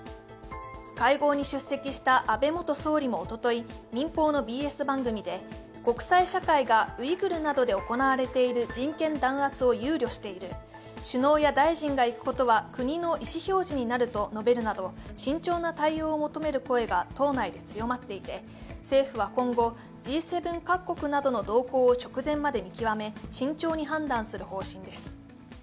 会合に出席した安倍元総理もおととい、民放のＢＳ番組で国際社会がウイグルなどで行われている人権弾圧を憂慮している、首脳や大臣が行くことは国の意思表示になると述べるなど慎重な対応を求める声が党内で強まっていて政府は今後、Ｇ７各国などの動向を直前まで見極め、慎重に判断する方針です。